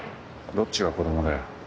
どっちが子供だよ。